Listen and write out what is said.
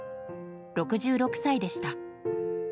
６６歳でした。